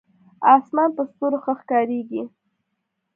اسمان په ستورو ښه ښکارېږي.